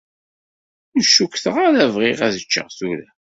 Ur cukkteɣ ara bɣiɣ ad ččeɣ tura.